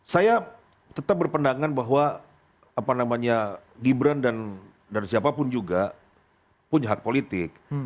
saya tetap berpendangan bahwa gibran dan siapapun juga punya hak politik